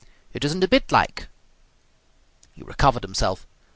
"It isn't a bit like." He recovered himself.